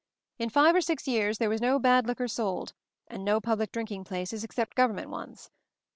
In five or six years there was no bad liquor sold, and no public drinking places except gov J ernment ones.